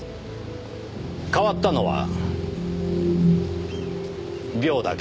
変わったのは鋲だけ。